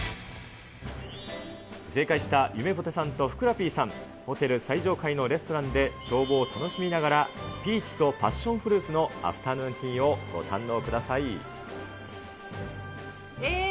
正解したゆめぽてさんとふくらＰさん、ホテル最上階のレストランで眺望を楽しみながら、ピーチとパッションフルーツのアフタヌーンティーをご堪能くださえー？